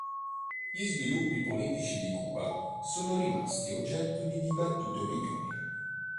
Gli sviluppi politici di Cuba sono rimasti oggetto di dibattute opinioni.